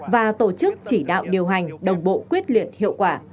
và tổ chức chỉ đạo điều hành đồng bộ quyết liệt hiệu quả